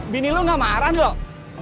bini lu gak marah ndok